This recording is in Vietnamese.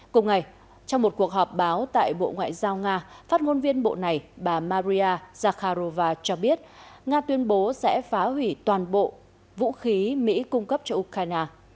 cùng ngày trong một cuộc họp báo tại bộ ngoại giao nga phát ngôn viên bộ này bà maria zakharova cho biết nga tuyên bố sẽ phá hủy toàn bộ vũ khí mỹ cung cấp cho ukraine